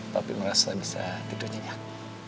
tapi merasa bisa tidur nyenyak